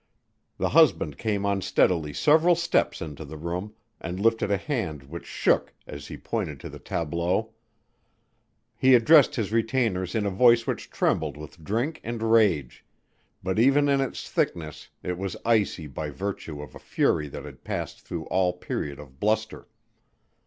The husband came unsteadily several steps into the room, and lifted a hand which shook as he pointed to the tableau. He addressed his retainers in a voice which trembled with drink and rage, but even in its thickness it was icy by virtue of a fury that had passed through all period of bluster.